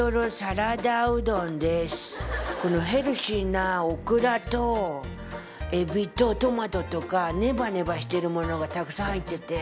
このヘルシーなオクラとエビとトマトとかねばねばしてるものがたくさん入ってて。